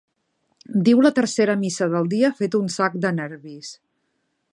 Diu la tercera missa del dia fet un sac de nervis.